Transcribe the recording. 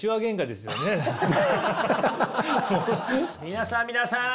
皆さん皆さん！